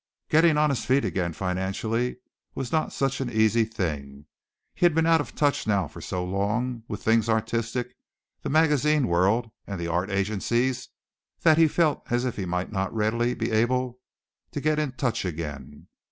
Getting on his feet again financially was not such an easy thing. He had been out of touch now so long with things artistic the magazine world and the art agencies that he felt as if he might not readily be able to get in touch again.